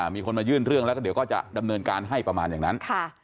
มีคนมายื่นเรื่องแล้วก็เดี๋ยวก็จะดำเนินการให้ประมาณอย่างนั้น